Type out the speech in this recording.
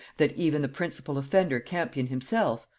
"that even the principal offender Campion himself"...